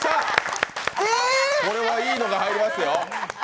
これはいいのが入りますよ。